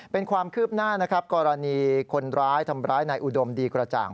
เป็นความคืบหน้านะครับกรณีคนร้ายทำร้ายนายอุดมดีกระจ่าง